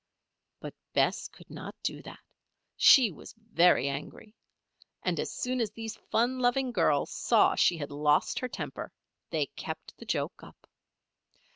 But Bess could not do that. She was very angry. And as soon as these fun loving girls saw she had lost her temper, they kept the joke up.